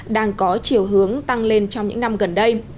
đang có chiều hướng tăng lên trong những năm gần đây